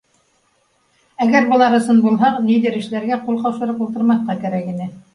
Әгәр былар ысын булһа, ниҙер эшләргә, ҡул ҡаушырып ултырмаҫҡа кәрәк ине